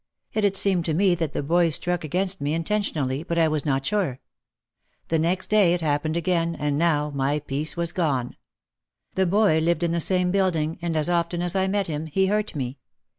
It had seemed to me that the boy struck against me intentionally but I was not sure. The next day it hap pened again and now my peace was gone. The boy lived in the same building and as often as I met him he hurt me.